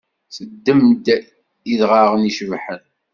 Teddem-d idɣaɣen icebḥen.